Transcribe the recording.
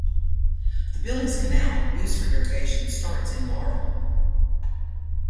The Billings Canal, used for irrigation, starts in Laurel.